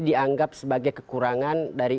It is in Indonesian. dianggap sebagai kekurangan dari